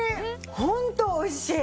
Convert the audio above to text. ホント美味しい！